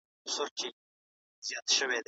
د فرهنګي توپیرونه د پوهه خلګو اړیکي قوي کوي.